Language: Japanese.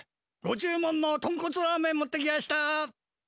ご注文のとんこつラーメン持ってきやした！